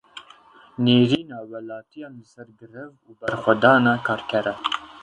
Nêrîna welatiyan li ser grev û berxwedana karkeran.